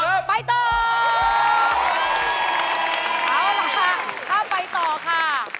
เอาล่ะเข้าไปต่อค่ะ